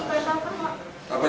sop setidaknara yang pun